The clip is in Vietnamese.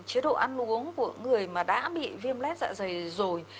chế độ ăn uống của người mà đã bị viêm lết dạ dày rồi